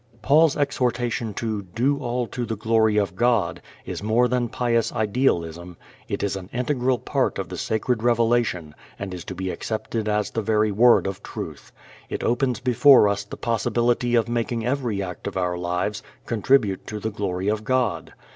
Paul's exhortation to "do all to the glory of God" is more than pious idealism. It is an integral part of the sacred revelation and is to be accepted as the very Word of Truth. It opens before us the possibility of making every act of our lives contribute to the glory of God.